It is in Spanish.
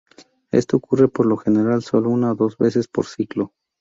Esto ocurre por lo general solo una o dos veces por siglo.